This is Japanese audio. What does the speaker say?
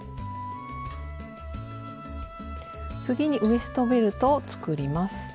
次にウエストベルトを作ります。